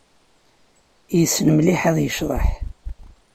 Yessen mliḥ ad yecḍeḥ.